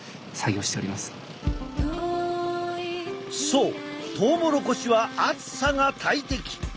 そうトウモロコシは暑さが大敵！